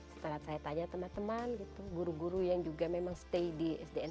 setelah saya tanya teman teman guru guru yang juga memang stay di sdm